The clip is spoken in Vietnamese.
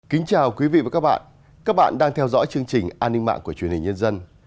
kính chào quý vị và các bạn các bạn đang theo dõi chương trình an ninh mạng của truyền hình nhân dân